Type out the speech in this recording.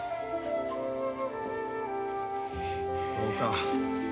そうか。